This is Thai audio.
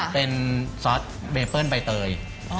เป็นซอสเบเปิ้ลใบเตย